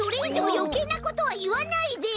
よけいなことはいわないで！